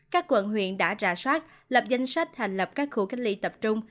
các quận huyện đã rà soát lập danh sách hành lập các khu cách ly tập trung